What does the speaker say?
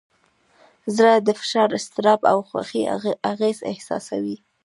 زړه د فشار، اضطراب، او خوښۍ اغېز احساسوي.